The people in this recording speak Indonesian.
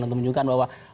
untuk menunjukkan bahwa